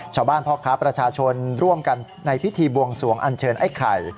พ่อค้าประชาชนร่วมกันในพิธีบวงสวงอันเชิญไอ้ไข่